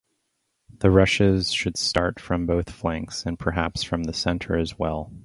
The rushes should start from both flanks, and perhaps from the center as well.